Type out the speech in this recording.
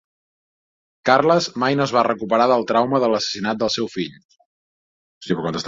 Carles mai no es va recuperar del trauma de l'assassinat del seu fill.